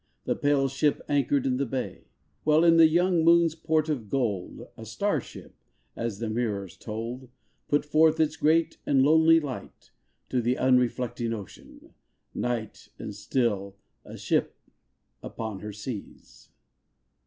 The pale ship anchored in the bay, While in the young moon's port of gold A star ship — as the mirrors told — Put forth its great and lonely light To the unreflecting Ocean, Night. And still, a ship upon her seas.